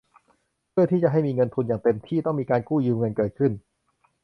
เพื่อที่จะให้มีเงินทุนอย่างเต็มที่ ต้องมีการกู้ยืมเงินเกิดขึ้น